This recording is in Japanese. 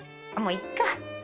もういっか！